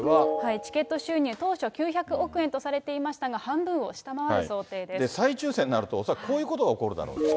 チケット収入、当初９００億円とされていましたが、再抽せんになると、恐らくこういうことが起こるだろうと。